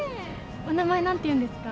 お名前何ていうんですか？